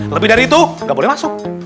lebih dari itu nggak boleh masuk